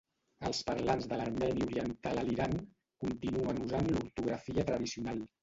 Els parlants de l'armeni oriental a l'Iran continuen usant l'ortografia tradicional.